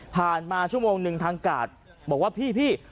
มาชั่วโมงหนึ่งทางกาดบอกว่าพี่